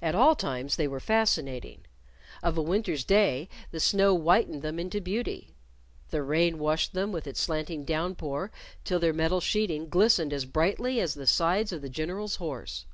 At all times they were fascinating. Of a winter's day the snow whitened them into beauty. The rain washed them with its slanting down pour till their metal sheeting glistened as brightly as the sides of the General's horse.